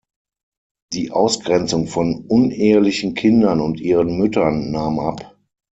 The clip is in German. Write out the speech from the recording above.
Die Ausgrenzung von unehelichen Kindern und ihren Müttern nahm ab.